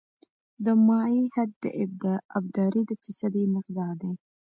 د مایع حد د ابدارۍ د فیصدي مقدار دی